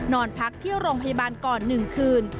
นอนพักที่โรงพยาบาลก่อน๑คืน